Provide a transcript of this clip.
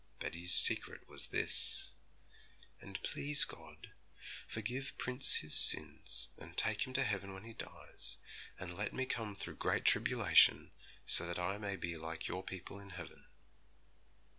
Betty's secret was this, 'And please, God, forgive Prince his sins and take him to heaven when he dies, and let me come through great tribulation, so that I may be like your people in heaven.'